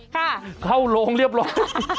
เข้าโรงเรียบร้อย